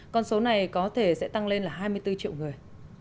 con số này có thể sẽ tăng lên là hai mươi bốn triệu người